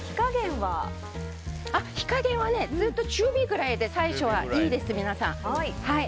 火加減は、ずっと中火くらいで最初はいいです、皆さん。